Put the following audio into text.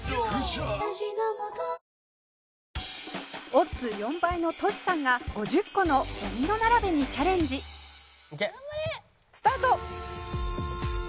オッズ４倍のトシさんが５０個のドミノ並べにチャレンジスタート！